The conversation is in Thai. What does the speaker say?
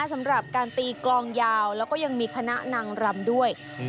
สำหรับการตีกลองยาวแล้วก็ยังมีคณะนางรำด้วย